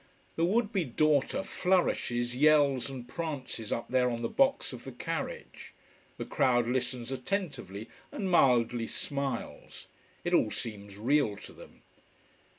The would be daughter flourishes, yells, and prances up there on the box of the carriage. The crowd listens attentively and mildly smiles. It all seems real to them.